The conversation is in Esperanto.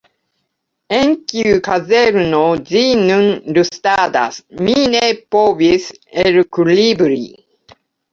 En kiu kazerno ĝi nun rustadas, mi ne povis elkribri.